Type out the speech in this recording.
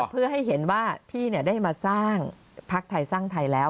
เพื่อให้เห็นว่าพี่ได้มาสร้างพักไทยสร้างไทยแล้ว